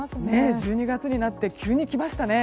１２月になって急に来ましたね。